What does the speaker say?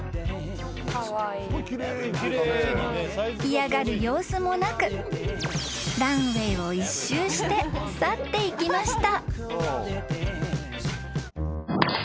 ［嫌がる様子もなくランウエーを一周して去っていきました］